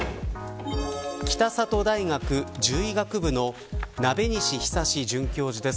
北里大学獣医学部の鍋西久准教授です。